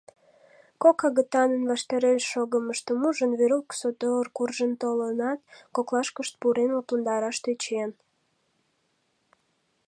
Кок агытанын ваштареш шогымыштым ужын, Верук содор куржын толынат, коклашкышт пурен, лыпландараш тӧчен.